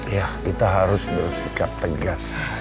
ya kita harus bersikap tegas